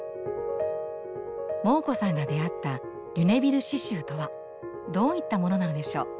モー子さんが出会ったリュネビル刺しゅうとはどういったものなのでしょう？